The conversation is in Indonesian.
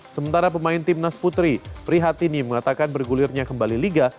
sementara pemain timnas putri prihatini mengatakan bergulirnya kembali liga